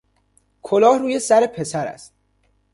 کلاه روی سر پسر است